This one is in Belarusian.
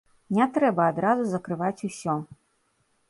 Не трэба адразу закрываць усё!